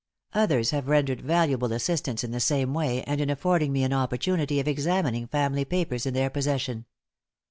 Others have rendered valuable assistance in the same way, and in affording me an opportunity of examining family papers in their possession.